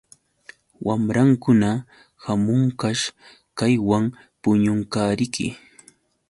Wamrankuna hamunqash kaywan puñunqariki.